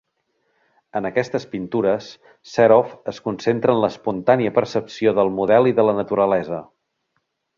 En aquestes pintures Serov es concentra en l'espontània percepció del model i de la naturalesa.